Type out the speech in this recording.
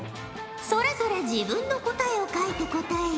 それぞれ自分の答えを書いて答えよ。